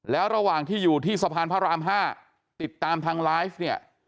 แล้วระหว่างที่อยู่ที่สะพานพระราม๕ติดตามทางไลฟ์เนี่ย